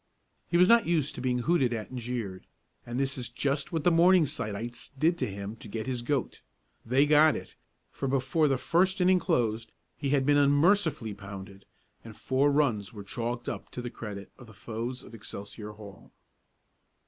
He was not used to being hooted at and jeered, and this is just what the Morningsideites did to him to get his "goat." They got it, for before the first inning closed he had been unmercifully pounded, and four runs were chalked up to the credit of the foes of Excelsior Hall.